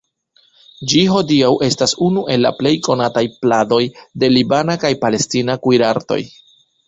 Ĝi hodiaŭ estas unu el la plej konataj pladoj de libana kaj palestina kuirartoj.